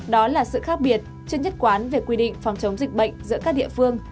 đó là sự khác biệt chưa nhất quán về quy định phòng chống dịch bệnh giữa các địa phương